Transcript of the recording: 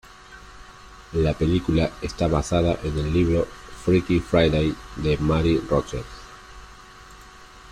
La película está basada en el libro "Freaky Friday" de Mary Rodgers.